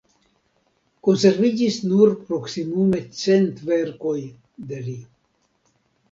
Konserviĝis nur proksimume cent verkoj de li.